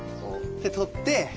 で撮って。